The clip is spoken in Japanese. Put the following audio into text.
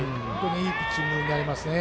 いいピッチングになりますね。